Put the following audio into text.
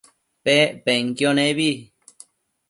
Pec penquio nebi